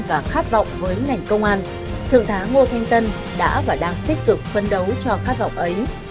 và khát vọng với ngành công an thượng tá ngô thanh tân đã và đang tích cực phân đấu cho khát vọng ấy